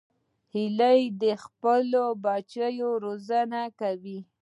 هیلۍ د خپلو بچو روزنه کوي